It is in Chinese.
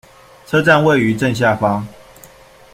车站位于正下方。